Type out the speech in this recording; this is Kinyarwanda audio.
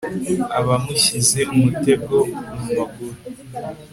aba amushyize umutego mu maguru